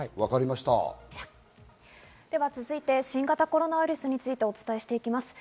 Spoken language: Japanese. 続いて、新型コロナウイルスについてお伝えします。